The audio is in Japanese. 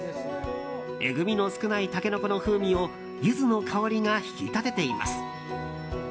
えぐみの少ないタケノコの香りをユズの香りが引き立てています。